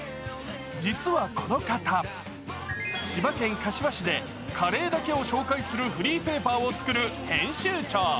実はこの方、千葉県柏市でカレーだけを紹介するフリーペーパーを紹介する編集長。